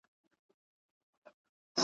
تر سفر مخکي د مرګ په خوله کي بند وو ,